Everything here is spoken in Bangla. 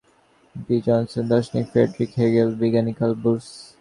বিশিষ্ট ব্যক্তিত্ব—প্রেসিডেন্ট লিন্ডন বি, জনসন, দার্শনিক ফ্রেডারিক হেগেল, বিজ্ঞানী কার্ল বুশ।